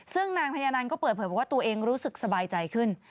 ซึ่งนางพญานันก็เปิดเผยบอกว่าตัวเองรู้สึกสบายใจขึ้น